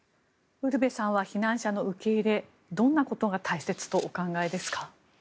ウルヴェさんは避難者の受け入れどんなことが大切だとお考えですか？